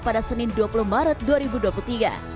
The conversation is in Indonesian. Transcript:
pada senin dua puluh maret dua ribu dua puluh tiga